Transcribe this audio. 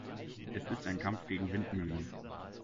Es ist ein Kampf gegen Windmühlen.